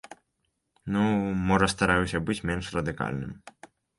Ну, можа стараюся быць менш радыкальным.